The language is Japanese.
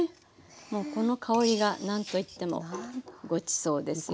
もうこの香りが何と言ってもごちそうですよね。